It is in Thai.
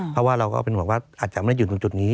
เพราะว่าเราก็เป็นห่วงว่าอาจจะไม่ได้อยู่ตรงจุดนี้